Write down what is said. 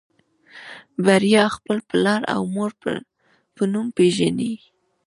بريا خپل پلار او مور په نوم پېژني.